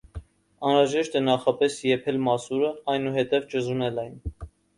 անհրաժեշտ է նախապես եփել մասուրը, այնուհետև ճզմել այն